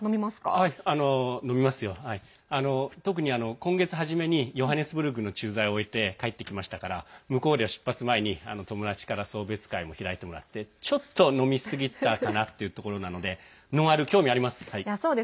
特に今月初めにヨハネスブルクの駐在を終えて帰ってきましたから向こうでは出発前に友達から送別会も開いてもらってちょっと飲みすぎたかなっていうところなのでノンアル興味あります。